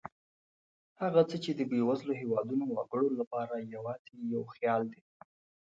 هغه څه چې د بېوزلو هېوادونو وګړو لپاره یوازې یو خیال دی.